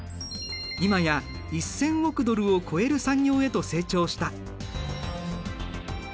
今や１，０００億ドルを超える産業へと成長した。